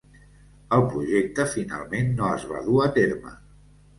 El projecte finalment no es va dur a terme.